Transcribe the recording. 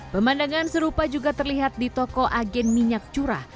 pemandangan serupa juga terlihat di toko agen minyak curah